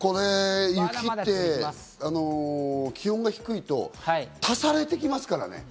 雪って気温が低いと足されていきますからね。